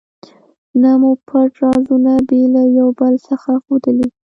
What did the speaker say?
نه مو پټ رازونه بې له یو بل څخه ښودلي.